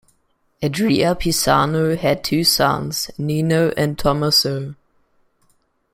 Andrea Pisano had two sons, Nino and Tommaso.